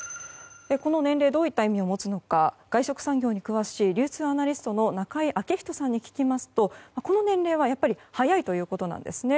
この年齢どういった意味を持つのか外食産業に詳しい流通アナリスト中井彰人さんに聞きますとこの年齢はやっぱり早いということなんですね。